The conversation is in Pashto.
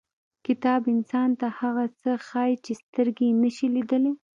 • کتاب انسان ته هغه څه ښیي چې سترګې یې نشي لیدلی.